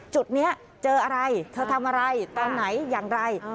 จุดนี้เจออะไรเธอทำอะไรตอนไหนอย่างไร